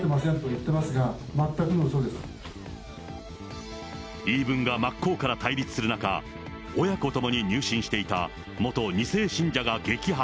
言い分が真っ向から対立する中、親子ともに入信していた元２世信者が激白。